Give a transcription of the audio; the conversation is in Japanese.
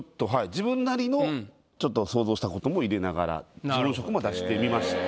自分なりの想像したことも入れながら自分色も出してみました。